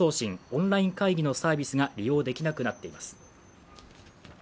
オンライン会議のサービスが利用できなくなっています。